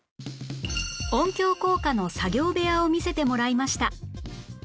音響効果の作業部屋を見せてもらいました